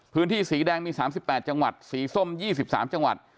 พื้นที่สีแดงมี๓๘จังหวัดสีส้ม๒๓จังหวัด